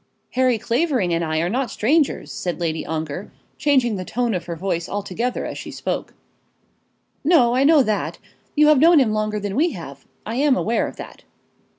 "Harry Clavering and I are not strangers," said Lady Ongar, changing the tone of her voice altogether as she spoke. "No; I know that. You have known him longer than we have. I am aware of that."